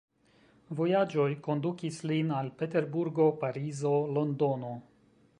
Vojaĝoj kondukis lin al Peterburgo, Parizo, Londono.